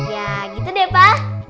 ya gitu deh pa